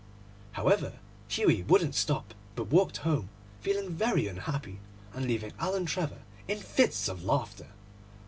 However, Hughie wouldn't stop, but walked home, feeling very unhappy, and leaving Alan Trevor in fits of laughter.